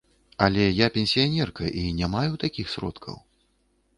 Але я пенсіянерка і не маю такіх сродкаў.